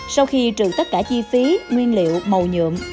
sau khi trừ tất cả chi phí nguyên liệu màu nhuộm